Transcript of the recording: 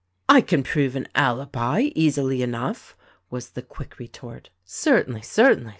"I can prove an alibi, easily enough," was the quick re tort. "Certainly, certainly!"